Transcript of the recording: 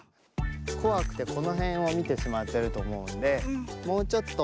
こわくてこのへんをみてしまってるとおもうのでもうちょっとめせんをとおくに。